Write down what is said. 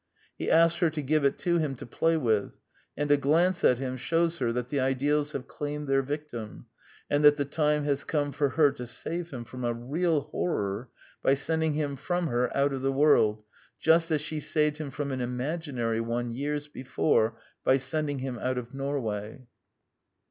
He asks her to give it to him to play with; and a glance at him shews her that the ideals have claimed their victim, and that the time has come for her to save him from a real horror by send ing him from her out of the world, just as she saved him from an imaginary one years before by sending him out of Norway.